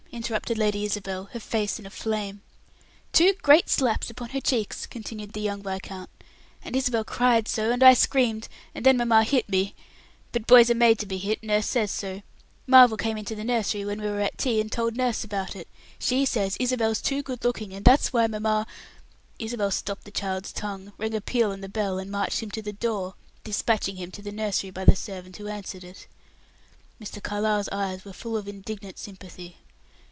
interrupted Lady Isabel, her face in a flame. "Two great slaps upon her cheeks," continued the young viscount; "and Isabel cried so, and I screamed, and then mamma hit me. But boys are made to be hit; nurse says so. Marvel came into the nursery when we were at tea, and told nurse about it. She says Isabel's too good looking, and that's why mamma " Isabel stopped the child's tongue, rang a peal on the bell, and marched him to the door, dispatching him to the nursery by the servant who answered it. Mr. Carlyle's eyes were full of indignant sympathy.